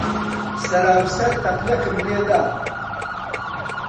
سەرا و سەر تەقلەکم لێ دا.